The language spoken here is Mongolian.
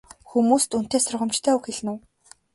Хүмүүст үнэтэй сургамжтай үг хэлнэ үү?